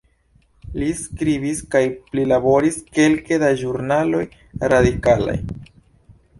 Li skribis kaj prilaboris kelke da ĵurnaloj radikalaj.